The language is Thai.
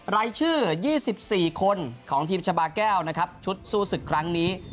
รายชื่อ๒๔คนของทีมชาบาแก้วนะครับชุดสู้ศึกครั้งนี้